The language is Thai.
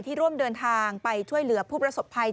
ร่วมเดินทางไปช่วยเหลือผู้ประสบภัย